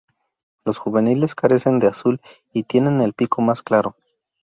Los juveniles carecen de azul y tienen el pico más claro.